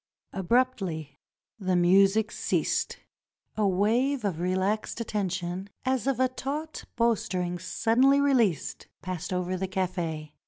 Abruptly the music ceased. A wave of relaxed at tention, as of a taut bow string suddenly released, passed over the cafe.